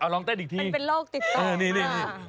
ลองตั้งอีกทีนะครับนี่มันเป็นโรคติดต่อ